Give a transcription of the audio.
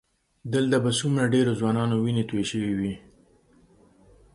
دلته به څومره ډېرو ځوانانو وینې تویې شوې وي.